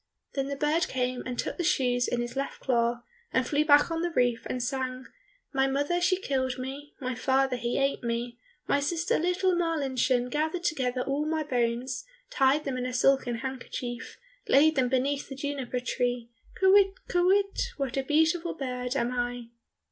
Then the bird came and took the shoes in his left claw, and flew back on the roof, and sang, "My mother she killed me, My father he ate me, My sister, little Marlinchen, Gathered together all my bones, Tied them in a silken handkerchief, Laid them beneath the juniper tree, Kywitt, kywitt, what a beautiful bird am I!"